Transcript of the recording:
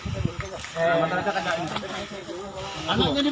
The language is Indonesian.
eh peserakan kita